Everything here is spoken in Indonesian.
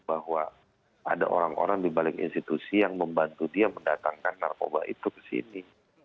bahwa ada orang orang di balik institusi yang membantu dia mendatangkan narkoba itu ke sini